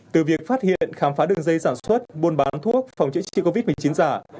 từ việc phát hiện khám phá đường dây sản xuất buôn bán thuốc phòng chữa trị covid một mươi chín giả